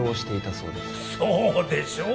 そうでしょう？